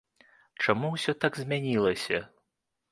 Чаму ўсё так змянілася?